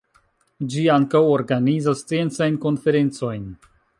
Ĝi ankaŭ organizas sciencajn konferencojn.